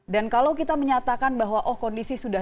dan kalau kita menyatakan bahwa oh kondisi sudah